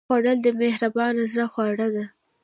خوړل د مهربان زړه خواړه دي